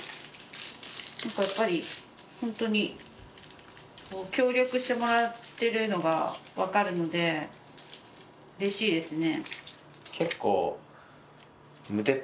なんかやっぱり本当に協力してもらってるのがわかるので嬉しいですね。